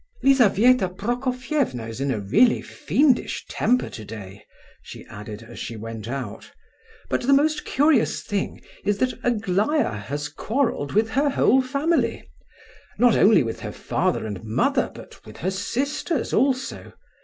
"Lizabetha Prokofievna is in a really fiendish temper today," she added, as she went out, "but the most curious thing is that Aglaya has quarrelled with her whole family; not only with her father and mother, but with her sisters also.